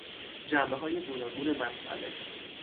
جنبههای گوناگون مسئله